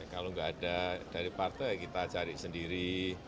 kalau nggak ada dari partai kita cari sendiri